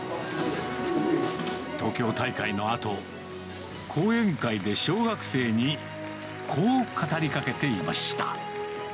東京大会のあと、講演会で小学生にこう語りかけていました。